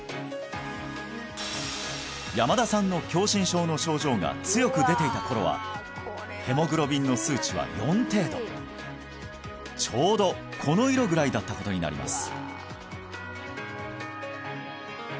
山田さんの狭心症の症状が強く出ていた頃はちょうどこの色ぐらいだったことになります